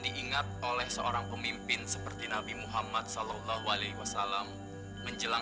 diingat oleh seorang pemimpin seperti nabi muhammad shallallahu alaihi wasallam menjelang